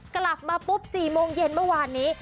กลับมาปุ๊บ๔โมงเย็นเมื่อวานนี้